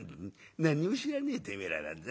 何にも知らねえてめえらなんざ。